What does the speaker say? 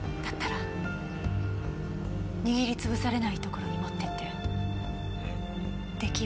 だったら握りつぶされないところに持ってって。